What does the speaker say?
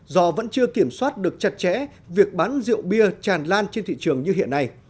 do vẫn chưa kiểm soát được chặt chẽ việc bán rượu bia tràn lan trên thị trường như hiện nay